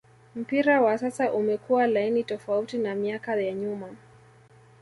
mpira wa sasa umekua laini tofauti na miaka ya nyuma